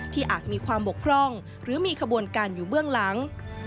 อาจมีความบกพร่องหรือมีขบวนการอยู่เบื้องหลัง